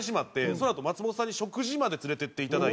そのあと松本さんに食事まで連れていっていただいて。